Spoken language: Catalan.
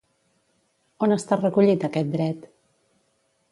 On està recollit aquest dret?